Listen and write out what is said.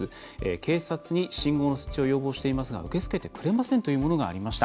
警察に信号の設置を要望していますが受け付けてくれませんというものがありました。